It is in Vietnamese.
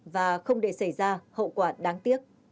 và không để xảy ra hậu quả đáng tiếc